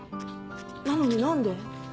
なのに何で？